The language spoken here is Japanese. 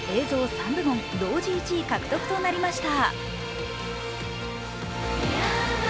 ３部門同時１位獲得となりました。